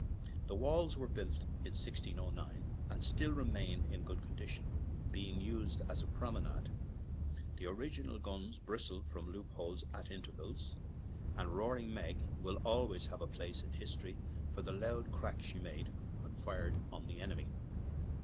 The walls were built in 1609, and still remain in good condition, being used as a promenade; the original guns bristle from loop holes at intervals, and "Roaring Meg" will always have a place in history for the loud crack she made when fired on the enemy.